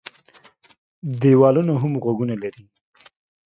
ديوالونه هم غوږونه لري.